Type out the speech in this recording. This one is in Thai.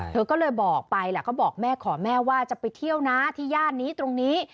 เธอก็เลยบอกไปแล้วก็บอกแม่ขอแม่ว่าจะไปเที่ยวนะที่ย่านนี้ตรงนี้